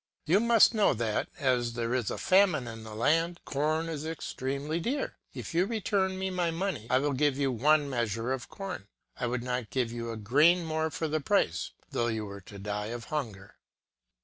You must know that, as there is a famine in the land, corn is extremely dear. If you return me my money, I will give you one measure of corn : I would not give you a grain more for the price, though you were to die of hunger.